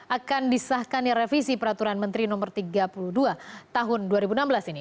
akan disahkannya revisi peraturan menteri no tiga puluh dua tahun dua ribu enam belas ini